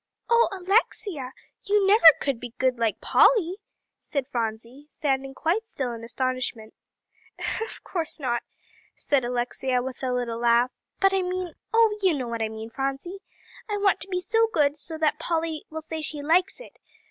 "Oh Alexia, you never could be good like Polly," said Phronsie, standing quite still in astonishment. "Of course not," said Alexia with a little laugh, "but I mean oh, you know what I mean, Phronsie. I want to be good so that Polly will say she likes it.